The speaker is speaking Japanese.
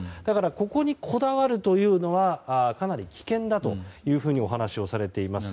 ここにこだわるというのはかなり危険だとお話をされています。